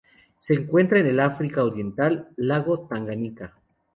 Se encuentra en el África Oriental: lago Tanganika.